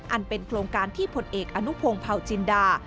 โครงการที่ผลเอกอนุพงศ์เผาจินดา